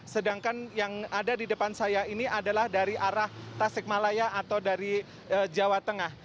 sedangkan yang ada di depan saya ini adalah dari arah tasik malaya atau dari jawa tengah